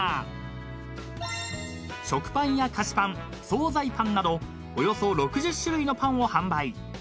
［食パンや菓子パン総菜パンなどおよそ６０種類のパンを販売］